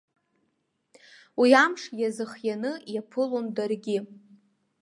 Уи амш иазхианы иаԥылон даргьы.